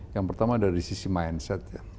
yang pertama dari sisi mindset ya